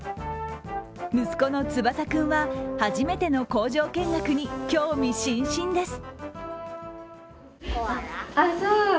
息子の翼君は初めての工場見学に興味津々です。